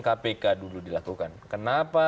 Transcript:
kpk dulu dilakukan kenapa